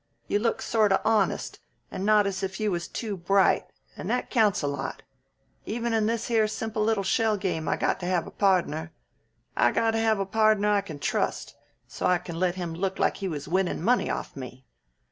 You look sort of honest and not as if you was too bright, and that counts a lot. Even in this here simple little shell game I got to have a podner. I got to have a podner I can trust, so I can let him look like he was winnin' money off of me.